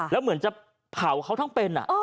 แล้วเหมือนจะเผาเขาทั้งเป็น